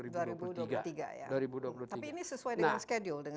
tapi ini sesuai dengan schedule